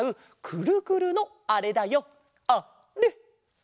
くるくるのあれだよあれ！